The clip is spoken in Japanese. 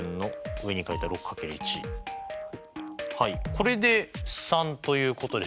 これで３ということでしょうか。